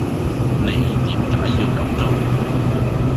你點解要咁做